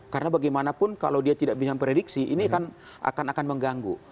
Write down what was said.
karena bagaimanapun kalau dia tidak punya prediksi ini akan mengganggu